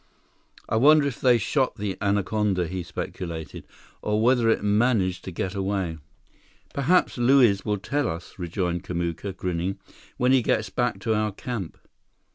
"I wonder if they shot the anaconda," he speculated, "or whether it managed to get away." "Perhaps Luiz will tell us," rejoined Kamuka, grinning, "when he gets back to our camp."